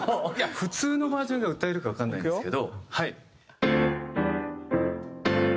普通のバージョンで歌えるかわかんないんですけど。